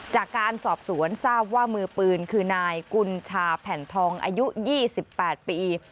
จากการสอบสวนทราบว่ามือปืนคือนายกุญชาแผ่นทองอายุ๒๘ปี